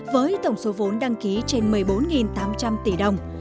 với tổng số vốn đăng ký trên một mươi bốn tám trăm linh tỷ đồng